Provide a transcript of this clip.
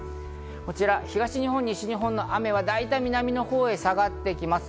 こちら東日本、西日本の雨はだいたい南のほうに下がってきます。